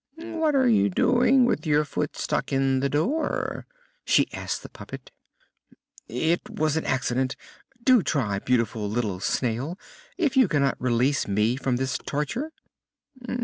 "What are you doing with your foot stuck in the door?" she asked the puppet. "It was an accident. Do try, beautiful little Snail, if you cannot release me from this torture."